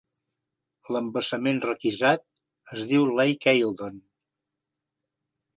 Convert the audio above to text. L'embassament requisat es diu Lake Eildon.